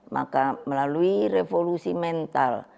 maka melalui revolusi mental